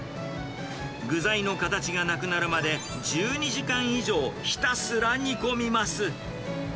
具材の形がなくなるまで１２時間以上ひたすら煮込みます。